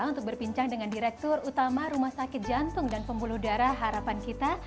untuk berbincang dengan direktur utama rumah sakit jantung dan pembuluh darah harapan kita